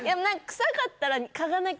臭かったら。